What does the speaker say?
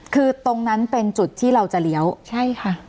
คือตรงนั้นเป็นจุดที่เราจะเลี้ยวใช่ค่ะ